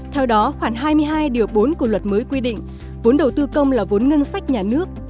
theo đó khoảng hai mươi hai điều bốn của luật mới quy định vốn đầu tư công là vốn ngân sách nhà nước